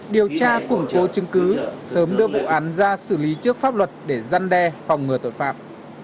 điều tra củng cố chứng cứ sớm đưa vụ án ra xử lý trước pháp luật để gian đe phòng ngừa tội phạm